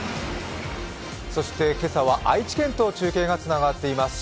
そして今朝は愛知県と中継がつながっています。